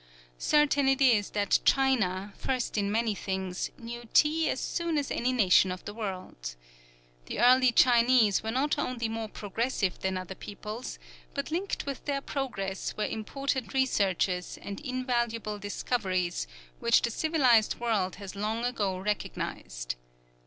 Certain it is that China, first in many things, knew tea as soon as any nation of the world. The early Chinese were not only more progressive than other peoples, but linked with their progress were important researches, and invaluable discoveries, which the civilized world has long ago recognized.